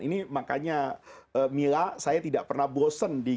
ini makanya mila saya tidak pernah bosen di